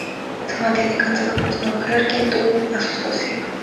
Se mantiene casado con su mujer con quien tuvo a sus dos hijos.